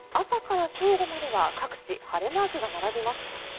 朝から正午までは各地晴れマークが並びます。